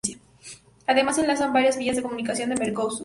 Además enlazan varias vías de comunicación del Mercosur.